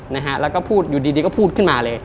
นะฮะแล้วก็พูดอยู่ดีก็พูดขึ้นมาเลย